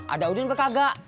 ada udin berkagak